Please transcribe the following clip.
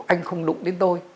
anh không đụng đến tôi